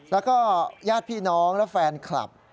แล้วก็ญาติพี่น้องและแฟนคลับ